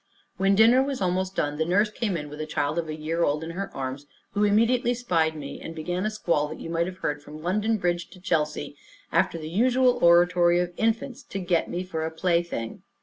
When dinner was almost done, the nurse came in with a child of a year old in her arms, who immediately spied me, and began a squall that you might have heard from London Bridge to Chelsea, after the usual oratory of infants, to get me for a plaything.